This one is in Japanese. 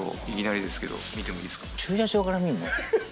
駐車場から見るの？